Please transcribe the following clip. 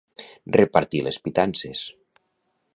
Repartir les pitances.